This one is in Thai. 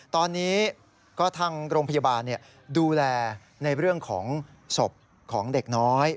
ตอนนี้ก็ทางโรงพยาบาลดูแลในเรื่องของศพของเด็กน้อย